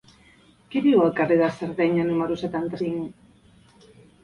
Qui viu al carrer de Sardenya número setanta-cinc?